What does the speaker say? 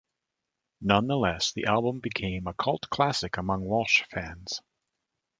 Nonetheless, the album became a cult classic among Walsh fans.